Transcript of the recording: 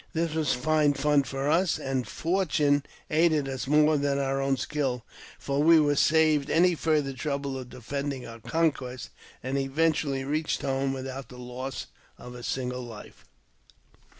This was fine fun for us, and Fortune aided us more than our own skill, for we were saved any further trouble of defending our conquest, and eventually reached home without the loss of a single life.